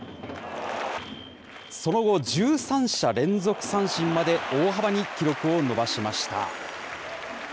その後、１３者連続三振まで大幅に記録を伸ばしました。